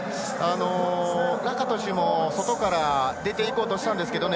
ラカトシュも外から出て行こうとしたんですけどね。